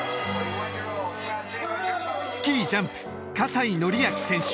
スキージャンプ西紀明選手。